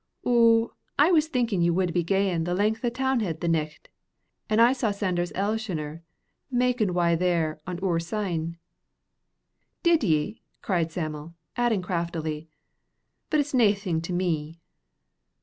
"Ou, I was thinkin' ye wid be gaen the length o' T'nowhead the nicht, an' I saw Sanders Elshioner makkin's wy there an oor syne." "Did ye?" cried Sam'l, adding craftily; "but its naething to me."